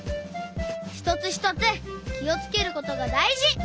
ひとつひとつきをつけることがだいじ！